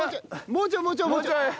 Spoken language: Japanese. もうちょいもうちょいもうちょい。